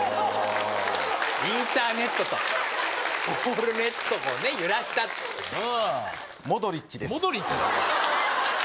インターネットとゴールネット揺らしたってモドリッチですモドリッチなの？